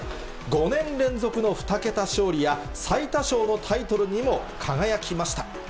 ５年連続の２桁勝利や、最多勝のタイトルにも輝きました。